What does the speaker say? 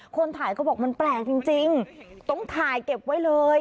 คนถ่ายก็บอกมันแปลกจริงต้องถ่ายเก็บไว้เลย